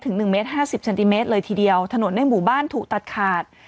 หนึ่งเมตรห้าสิบเซนติเมตรเลยทีเดียวถนนในหมู่บ้านถูกตัดขาด